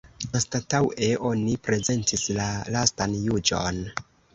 Anstataŭe oni prezentis la Lastan Juĝon.